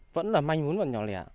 vẫn là manh vốn và nhỏ lẻ